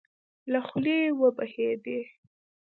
له خولې يې وبهېدې.